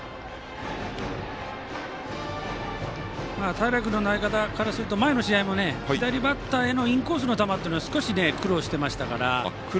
平君の投げ方からすると前の試合も左バッターへのインコースの球っていうのは少し、苦労していましたから。